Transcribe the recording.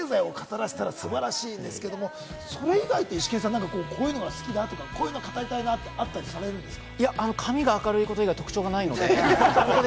政治経済を語らせたら素晴らしいんですけれども、それ以外って、イシケンさん、こういうのが好きだなとか、こういうの語りたいなって、あったりしますか？